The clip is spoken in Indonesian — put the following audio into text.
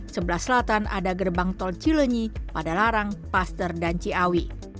sebelah selatan ada gerbang tol cilenyi pada larang paster dan ciawi